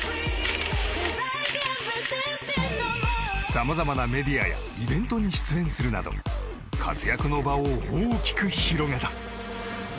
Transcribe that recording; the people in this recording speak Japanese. さまざまなメディアやイベントに出演するなど活躍の場を大きく広げた。